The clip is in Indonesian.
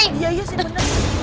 iya iya sih bener